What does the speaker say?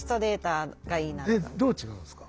どう違うんですか？